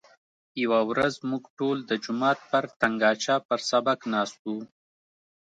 یوه ورځ موږ ټول د جومات پر تنګاچه پر سبق ناست وو.